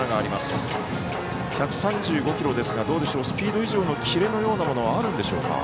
１３５キロですがスピード以上のキレのようなものあるんでしょうか。